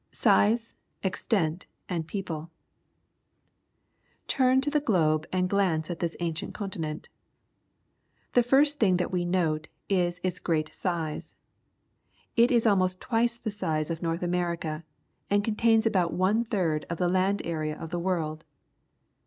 Size, Extent, and People. — Turn to the globe and glance at this ancient continent. The first thing that we note is its great size. It is almost twice the size of North America, and contains about one third of the land area of the world.